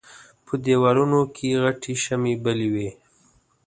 په دېوالونو کې غټې شمعې بلې وې.